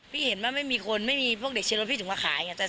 พี่เห็นว่าไม่มีคนไม่มีพวกเด็กเชียรถพี่ถึงมาขายอย่างเงี้ย